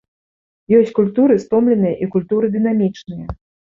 Ёсць культуры стомленыя і культуры дынамічныя.